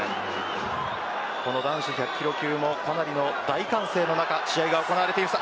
この男子１００キロ級もかなりの大歓声の中試合が行われています。